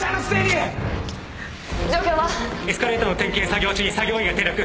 エスカレーターの点検作業中に作業員が転落。